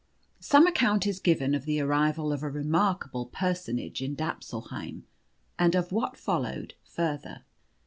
SOME ACCOUNT IS GIVEN OF THE ARRIVAL OF A REMARKABLE PERSONAGE IN DAPSULHEIM, AND OF WHAT FOLLOWED FURTHER.